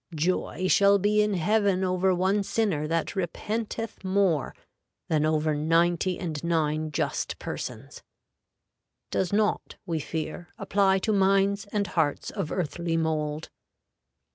"Joy shall be in heaven over one sinner that repenteth more than over ninety and nine just persons," does not, we fear, apply to minds and hearts of earthly mould.